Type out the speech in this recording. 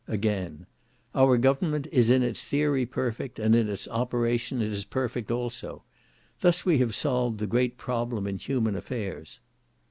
Again, "Our government is in its theory perfect, and in its operation it is perfect also. Thus we have solved the great problem in human affairs."